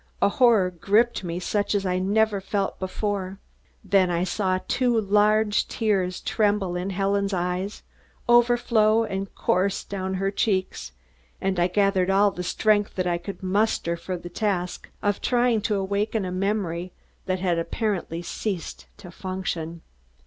A horror gripped me such as I never felt before. Then I saw two large tears tremble in Helen's eyes, overflow and course down her cheeks and I gathered all the strength that I could muster for the task of trying to awaken a memory that had apparently ceased to function.